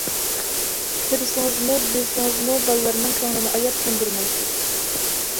كۆرسىڭىزمۇ، بىلسىڭىزمۇ بالىلارنىڭ كۆڭلىنى ئاياپ چاندۇرمايسىز.